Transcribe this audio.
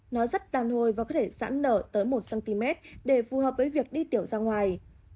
nó rất tàn hồi và có thể sẵn nở tới một cm để phù hợp với việc đi tiểu ra ngoài